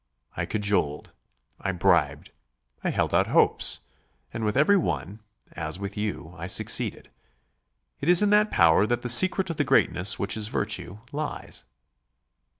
I cajoled; I bribed; I held out hopes; and with every one, as with you, I succeeded. It is in that power that the secret of the greatness which is virtue, lies.